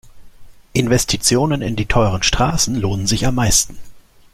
Investitionen in die teuren Straßen lohnen sich am meisten.